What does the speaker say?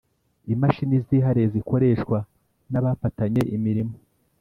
imashini zihariye zikoreshwa n’abapatanye imirimo